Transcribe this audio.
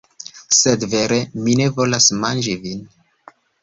Sed vere, mi ne volas manĝi vin.